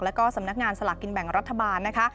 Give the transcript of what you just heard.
แล้วก็สำนักงานสลากกินแบ่งรัฐบาลนะคะ